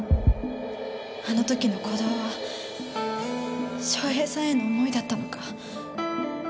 あの時の鼓動は翔平さんへの思いだったのか。